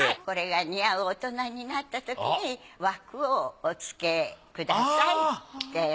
これが似合う大人になったときに枠をおつけくださいって。